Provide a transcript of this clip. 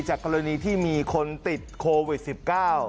กรณีที่มีคนติดโควิดสิบเก้า